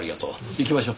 行きましょう。